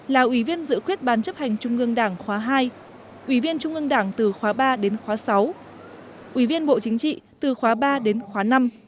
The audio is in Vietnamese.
là ủy viên dự quyết bán chấp hành trung ương đảng khóa hai ủy viên trung ương đảng từ khóa ba đến khóa sáu ủy viên bộ chính trị từ khóa ba đến khóa năm